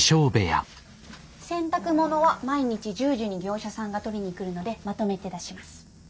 洗濯物は毎日１０時に業者さんが取りに来るのでまとめて出します。